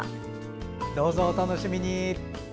どうぞお楽しみに。